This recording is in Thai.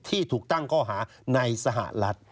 ที่ถูกตั้งข้อหาในสหรัฐ